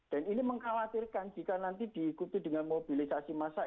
dan ini mengkhawatirkan jika nanti diikuti dengan mobilisasi massa